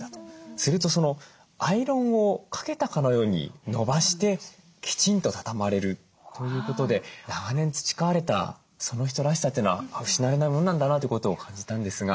するとアイロンをかけたかのように伸ばしてきちんと畳まれるということで長年培われたその人らしさというのは失われないものなんだなということを感じたんですが。